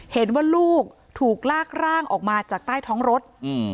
เห็นว่าลูกถูกลากร่างออกมาจากใต้ท้องรถ